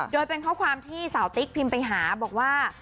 โดยเป็นข้อความที่สาวติ๊กพิมพ์ไปหาบอกว่า